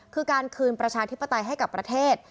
คือการคืนประชาธิปไตยให้กับประเทศ